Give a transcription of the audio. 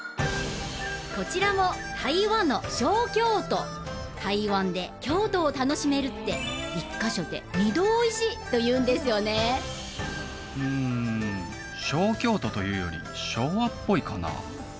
こちらも台湾の小京都台湾で京都を楽しめるって１か所で２度おいしいというんですよねうん小京都というより昭和っぽいかな？